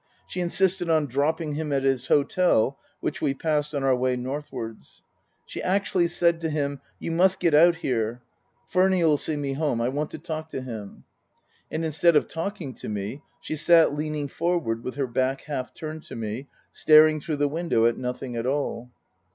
She insisted on dropping him at his hotel, which we passed on our way northwards. She actually said to him :" You must get out here. Furny'll see me home. I want to talk to him." And instead of talking to me, she sat leaning forward with her back half turned to me, staring through the window at nothing at all.